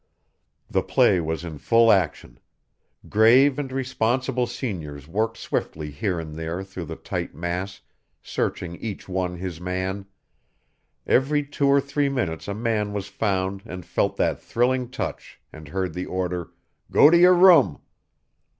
The play was in full action. Grave and responsible seniors worked swiftly here and there through the tight mass, searching each one his man; every two or three minutes a man was found and felt that thrilling touch and heard the order, "Go to your room."